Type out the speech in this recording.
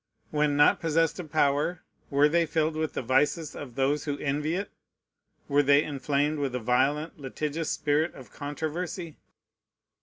When not possessed of power, were they filled with the vices of those who envy it? Were they inflamed with a violent, litigious spirit of controversy?